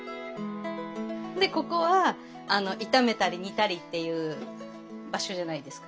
でここは炒めたり煮たりっていう場所じゃないですか。